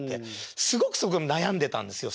すごくそこ悩んでたんですよ。